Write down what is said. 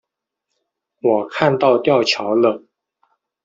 我看到吊桥了